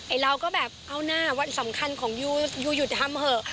เราก็แบบเอาหน้าวันสำคัญของยูหยุดทำเถอะ